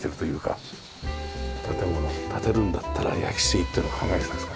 建物建てるんだったら焼杉っていうのは考えてたんですか？